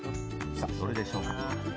さあ、どれでしょうか？